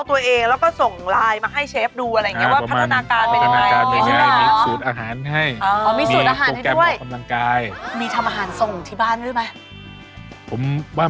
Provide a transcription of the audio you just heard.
วิเครียร์ก็แบบให้คนอื่นบ้าง